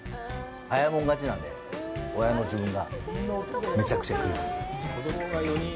早い者勝ちなので、親の自分がめちゃくちゃ食います。